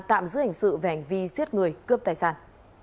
tạm giữ hình sự về hành vi giết người cướp tài sản